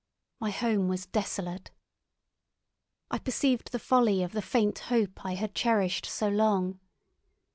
My home was desolate. I perceived the folly of the faint hope I had cherished so long.